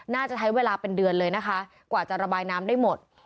น่าจะใช้เวลาเป็นเดือนเลยนะคะกว่าจะระบายน้ำได้หมด